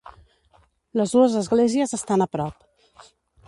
Les dues esglésies estan a prop.